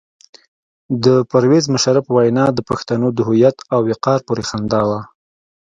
د پرویز مشرف وینا د پښتنو د هویت او وقار پورې خندا وه.